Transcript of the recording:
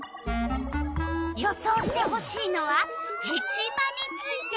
予想してほしいのは「ヘチマ」について。